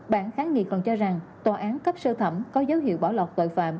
bản kháng nghị còn cho rằng tòa án cấp sơ thẩm có dấu hiệu bỏ lọt tội phạm